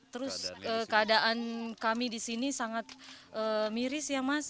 terus keadaan kami disini sangat miris ya mas